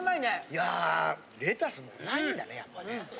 いやレタスもうまいんだねやっぱね。